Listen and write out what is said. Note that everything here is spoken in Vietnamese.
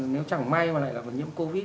nếu chẳng may mà lại là nhiễm covid